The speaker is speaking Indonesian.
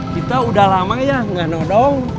kita udah lama ya nggak nodong